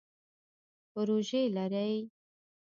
پروژی لرئ؟